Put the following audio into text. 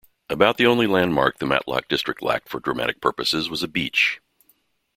About the only landmark the Matlock district lacked for dramatic purposes was a beach.